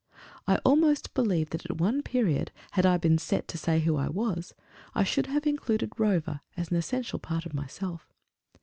I almost believe that at one period, had I been set to say who I was, I should have included Rover as an essential part of myself.